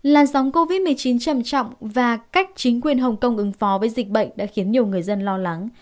làn sóng covid một mươi chín trầm trọng và cách chính quyền hồng kông ứng phó với dịch bệnh đã khiến nhiều người dân lo lắng